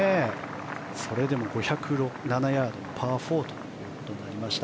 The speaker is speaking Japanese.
それでも５０７ヤードのパー４となりました。